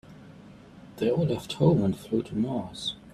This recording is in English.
They all left home and flew to Mars.